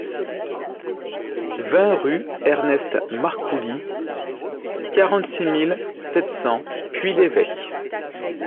vingt rue Ernest Marcouly, quarante-six mille sept cents Puy-l'Évêque